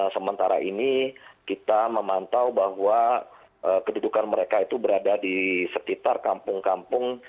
sementara ini kita memantau bahwa kedudukan mereka itu berada di sekitar kampung kampung